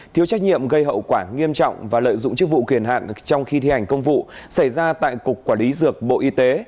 thiếu trách nhiệm gây hậu quả nghiêm trọng và lợi dụng chức vụ kiền hạn trong khi thi hành công vụ xảy ra tại cục quản lý dược bộ y tế